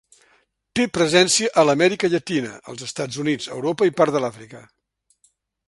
Té presència a l'Amèrica Llatina, els Estats Units, Europa i part de l'Àfrica.